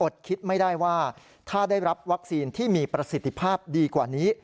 คิดไม่ได้ว่าถ้าได้รับวัคซีนที่มีประสิทธิภาพดีกว่านี้